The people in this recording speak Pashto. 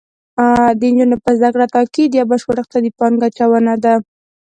د نجونو په زده کړه تاکید یو بشپړ اقتصادي پانګه اچونه ده